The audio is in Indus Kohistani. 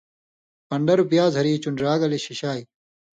پݩڈروۡ پیاز ہری چُن٘ڑیۡ را گلے شِشائ۔